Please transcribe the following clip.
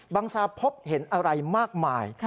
ซาพบเห็นอะไรมากมาย